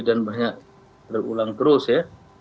dan banyak terulang terus ya